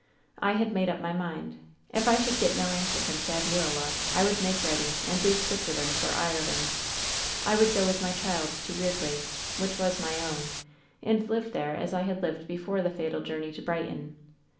"I had made up my mind. If I should get no answer from Saviola I would make ready and leave Switzer land for Ireland. I would go with my child to Weird waste, which was my own, and live there as I had lived before the fatal journey to Brighton.